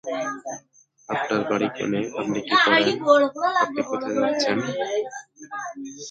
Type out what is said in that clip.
তিনি ছিলেন একজন ধার্মিক ব্যক্তি এবং দেবী দুর্গার একনিষ্ঠ উপাসক।